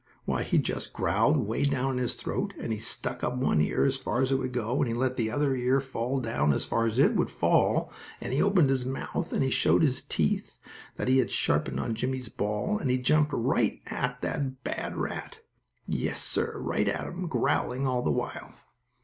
Why he just growled away down in his throat, and he stuck up one ear as far as it would go, and he let the other ear fall down as far as it would fall, and he opened his mouth, and he showed his teeth, that he had sharpened on Jimmie's ball, and he jumped right at that bad rat! Yes, sir, right at him, growling all the while!